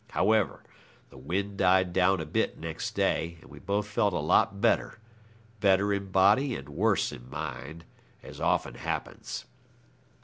However, the wind died down a bit next day, and we both felt a lot better better in body and worse in mind as often happens.